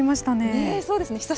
そうですね。